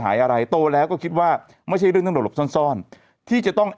หายอะไรโตแล้วก็คิดว่าไม่ใช่เรื่องทั้งหมดหลบซ่อนซ่อนที่จะต้อง